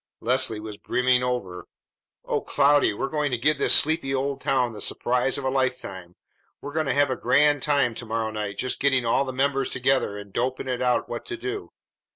Leslie was brimming over. "O Cloudy, we're going to give this sleepy old town the surprise of a lifetime! We're going to have a grand time to morrow night, just getting all the members together and doping it out what to do.